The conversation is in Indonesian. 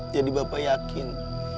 jadi bapak yakin